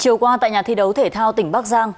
chiều qua tại nhà thi đấu thể thao tỉnh bắc giang